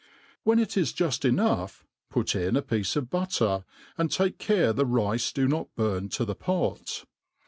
When it is juil enough put in a piece of butcer, and take care the rice do not burn to the pot.